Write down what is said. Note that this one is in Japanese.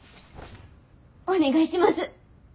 お願いします。